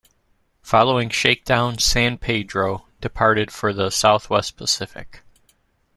Following shakedown, "San Pedro" departed for the Southwest Pacific.